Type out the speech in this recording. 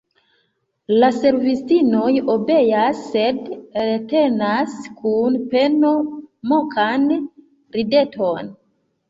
La servistinoj obeas, sed retenas kun peno mokan rideton.